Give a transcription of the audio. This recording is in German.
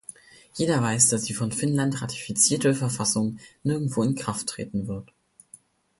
Jeder weiß, dass die von Finnland ratifizierte Verfassung nirgendwo in Kraft treten wird.